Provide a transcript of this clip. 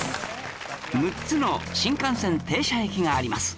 ６つの新幹線停車駅があります